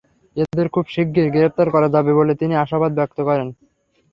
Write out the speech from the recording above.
এঁদের খুব শিগগির গ্রেপ্তার করা যাবে বলে তিনি আশাবাদ ব্যক্ত করেন।